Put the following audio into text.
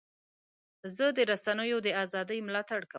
زه د رسنیو د ازادۍ ملاتړ کوم.